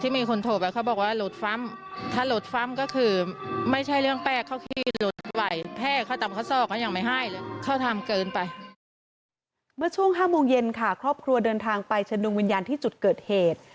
เมื่อช่วง๕โมง๕โมงเย็นค่ะครอบครัวเดินทางไปเชิญดวงวิญญาณที่จุดเกิดเหตุ